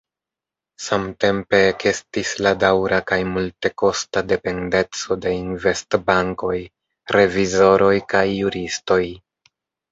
Samtempe ekestis la daŭra kaj multekosta dependeco de investbankoj, revizoroj kaj juristoj.